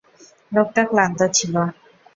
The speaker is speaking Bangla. লোকটা ক্লান্ত ছিল।